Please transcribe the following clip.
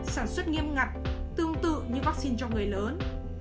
sản xuất nghiêm ngặt tương tự như vaccine cho người lớn